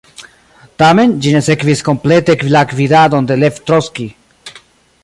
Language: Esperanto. Tamen, ĝi ne sekvis komplete la gvidadon de Lev Trockij.